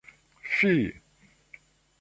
Fi!